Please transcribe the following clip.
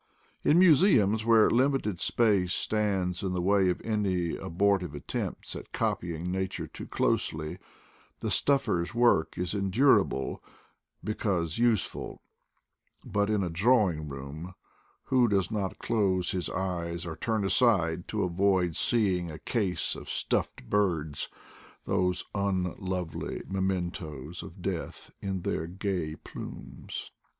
In museums, where limited space stands in the way of any abortive attempts at copying nature too closely, the staffer's work is endurable because useful; but in a drawing room, who does not close his eyes or tarn aside to avoid seeing a 179 180 IDLE DAYS IN PATAGONIA case of stuffed birds — those unlovely mementoes of death in their gay plumes